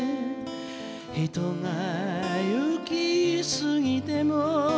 「人がゆきすぎても」